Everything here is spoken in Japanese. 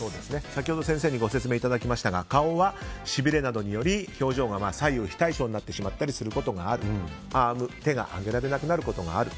先ほど先生にご説明いただきましたが顔はしびれなどにより表情が左右非対称になってしまうことがあるＡｒｍ、手が上げられなくなることがある。